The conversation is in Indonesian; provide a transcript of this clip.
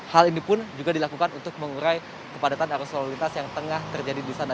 hal ini pun juga dilakukan untuk mengurai kepadatan arus lalu lintas yang tengah terjadi di sana